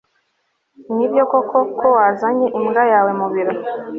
Nibyo koko ko wazanye imbwa yawe mubiro